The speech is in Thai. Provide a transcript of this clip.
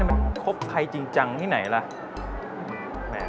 ไอ้บอสมันครบใครจริงที่ไหนล่ะ